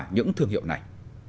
những thương hiệu này